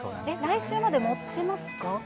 来週までもちますか？